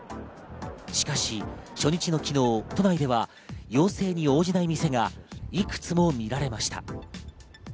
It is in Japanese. しかし、初日の昨日、都内では要請に応じない店がいくつも見られました。